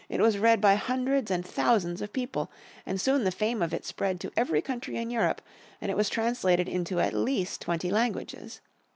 It was read by hundreds and thousands of people, and soon the fame of it spread to every country in Europe, and it was translated into at least twenty languages.